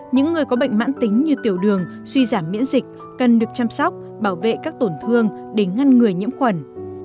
những người có bệnh mãn tính như tiểu đường suy giảm miễn dịch cần được chăm sóc bảo vệ các tổn thương để ngăn người nhiễm khuẩn